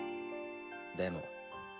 でも。